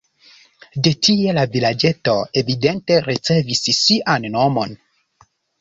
De tie la vilaĝeto evidente ricevis sian nomon.